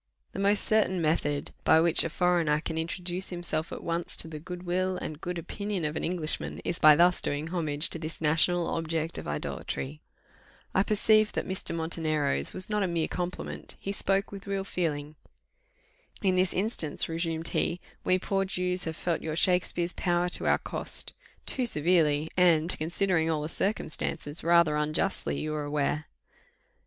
The most certain method by which a foreigner an introduce himself at once to the good will and good opinion of an Englishman, is by thus doing homage to this national object of idolatry. I perceived that Mr. Montenero's was not a mere compliment he spoke with real feeling. "In this instance," resumed he, "we poor Jews have felt your Shakspeare's power to our cost too severely, and, considering all the circumstances, rather unjustly, you are aware."